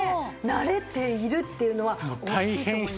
慣れているっていうのは大きいと思います。